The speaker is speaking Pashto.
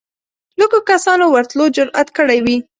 لږو کسانو ورتلو جرئت کړی وي